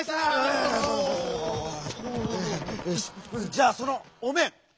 じゃあその「おめん」。